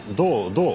どう？